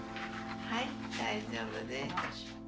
はい大丈夫です。